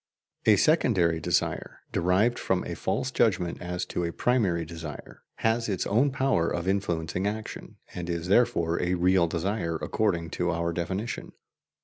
A secondary desire, derived from a false judgment as to a primary desire, has its own power of influencing action, and is therefore a real desire according to our definition.